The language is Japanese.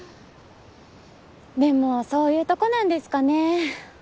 でもそういうとこなんですかね。